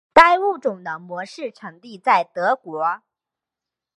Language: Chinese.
该物种的模式产地在德国。